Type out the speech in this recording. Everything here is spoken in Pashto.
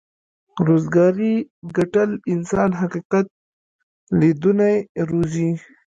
روزي ګټل انسان حقيقت ليدونی روزي.